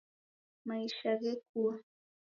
Maisha ghekua